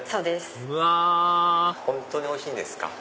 うわ本当においしいんですか？